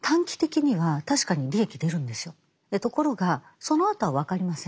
ところがそのあとは分かりません。